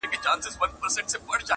غمونه هېر سي اتڼونو ته ډولونو راځي.